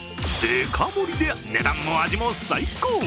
でか盛りで値段も味も最高。